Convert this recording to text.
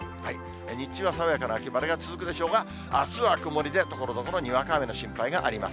日中は爽やかな秋晴れが続くでしょうが、あすは曇りで、ところどころ、にわか雨の心配があります。